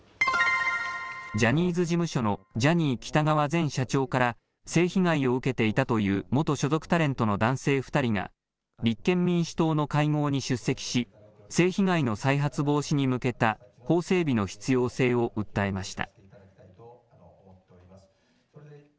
ジャニーズ事務所のジャニー喜多川前社長から性被害を受けていたという元所属タレントの男性２人が、立憲民主党の会合に出席し、性被害の再発防止に向けた法整備の必要性を訴えました。